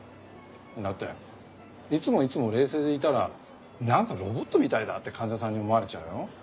だっていつもいつも冷静でいたらなんかロボットみたいだって患者さんに思われちゃうよ。